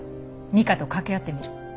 二課と掛け合ってみる。